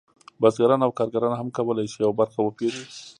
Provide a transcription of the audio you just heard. بزګران او کارګران هم کولی شي یوه برخه وپېري